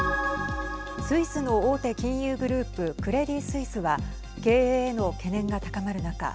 スイスの大手金融グループクレディ・スイスは経営への懸念が高まる中